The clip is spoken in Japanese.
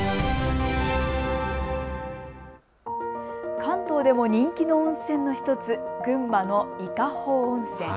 関東でも人気の温泉の１つ群馬の伊香保温泉。